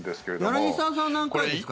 柳澤さんは何回ですか？